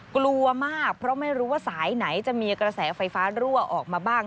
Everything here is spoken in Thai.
กลัวมากเพราะไม่รู้ว่าสายไหนจะมีกระแสไฟฟ้ารั่วออกมาบ้าง